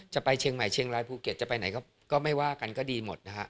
จะไปเชียงใหม่เชียงรายภูเก็ตจะไปไหนก็ไม่ว่ากันก็ดีหมดนะฮะ